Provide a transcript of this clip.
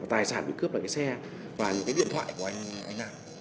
tài sản bị cướp ở cái xe và những cái điện thoại của anh nam